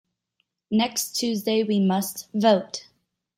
Next Tuesday we must vote.